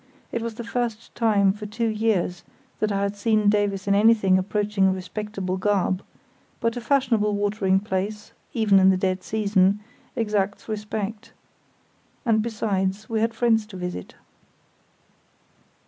It was the first time for two years that I had seen Davies in anything approaching a respectable garb; but a fashionable watering place, even in the dead season, exacts respect; and, besides, we had friends to visit.